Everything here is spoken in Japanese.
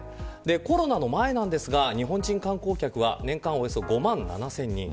コロナの前ですが日本人観光客は年間およそ５万７０００人。